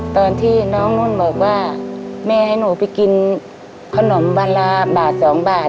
ตอนที่น้องนุ่นบอกว่าแม่ให้หนูไปกินขนมวันละบาท๒บาท